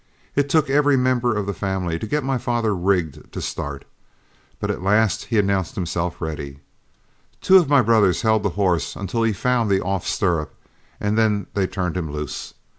It took every member of the family to get my father rigged to start, but at last he announced himself as ready. Two of my brothers held the horse until he found the off stirrup, and then they turned him loose.